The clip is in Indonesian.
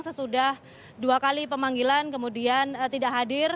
sesudah dua kali pemanggilan kemudian tidak hadir